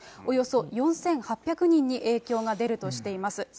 およそ４８００人に影響が出るとしています。